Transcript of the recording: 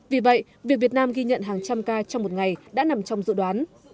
vì vậy việc việt nam ghi nhận hàng trăm ca trong một ngày đã nằm trong dự đoán